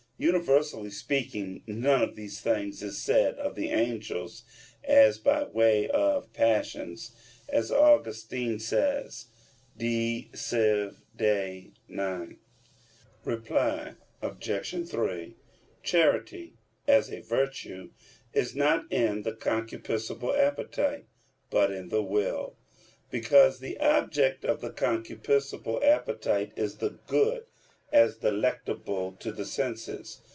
Universally speaking, none of these things is said of the angels, as by way of passions; as Augustine says (De Civ. Dei ix). Reply Obj. 3: Charity, as a virtue, is not in the concupiscible appetite, but in the will; because the object of the concupiscible appetite is the good as delectable to the senses.